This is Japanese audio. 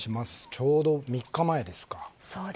ちょうど３日前ですか。